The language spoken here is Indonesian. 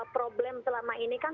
problem selama ini kan